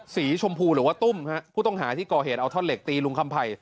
สีชมพูหรือว่าตุ้มฮะผู้ต้องหาที่ก่อเหตุเอาท่อนเหล็กตีลุงคำไผ่